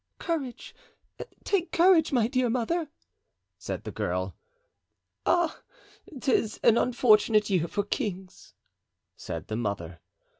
"Courage, take courage, my dear mother!" said the girl. "Ah! 'tis an unfortunate year for kings," said the mother.